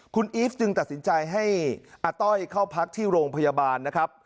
คุณอีฟจึงตัดสินใจให้อาต้อยเข้าพักที่โรงพยาบาลนะครับ